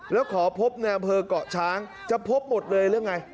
แล้วขอพบในอำเภอกเกาะช้างจะพบหมดเลยหรือไง